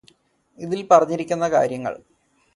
അതിൽ പറഞ്ഞിരിക്കുന്ന കാര്യങ്ങൾ